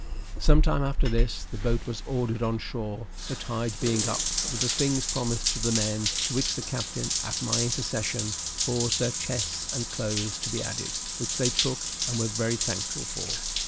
Some time after this, the boat was ordered on shore, the tide being up, with the things promised to the men; to which the captain, at my intercession, caused their chests and clothes to be added, which they took, and were very thankful for.